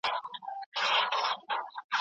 موسیقي واورئ او زړه مو ارام کړئ.